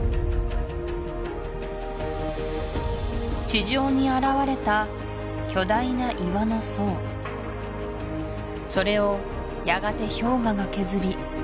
地上に現れた巨大な岩の層それをやがて氷河が削り